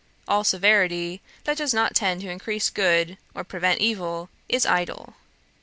All severity that does not tend to increase good, or prevent evil, is idle.